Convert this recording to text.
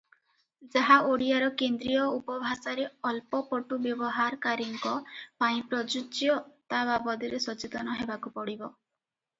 ଯାହା ଓଡ଼ିଆର କେନ୍ଦ୍ରୀୟ ଉପଭାଷାରେ ଅଳ୍ପ ପଟୁ ବ୍ୟବହାରକାରୀଙ୍କ ପାଇଁ ପ୍ରଯୁଜ୍ୟ ତା’ ବାବଦରେ ସଚେତନ ହେବାକୁ ପଡ଼ିବ ।